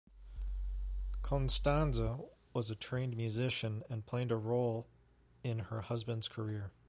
Constanze was a trained musician and played a role in her husband's career.